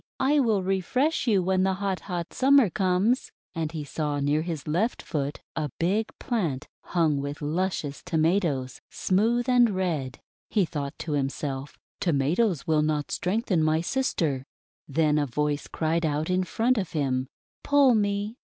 I will refresh you when the hot, hot Summer comes !' And he saw near his left foot a big plant hung with luscious Tomatoes, smooth and red. He thought to himself: * Tomatoes will not strengthen my sister." Then a voice cried out in front of him: <:<Pull me!